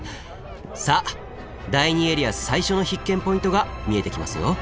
さあ第２エリア最初の必見ポイントが見えてきますよ。